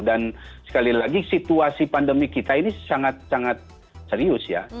dan sekali lagi situasi pandemi kita ini sangat serius ya